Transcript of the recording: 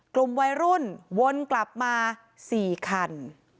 กลุ่มวัยรุ่นวนกลับมา๔คัน